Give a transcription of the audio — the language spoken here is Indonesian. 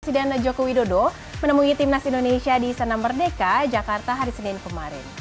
presiden joko widodo menemui timnas indonesia di sana merdeka jakarta hari senin kemarin